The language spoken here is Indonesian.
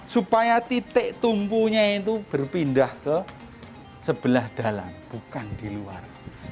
supaya titik tumpunya itu berpindah ke sebelah dalam bukan di luar